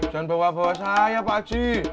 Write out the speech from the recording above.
jangan bawa bawa saya pak haji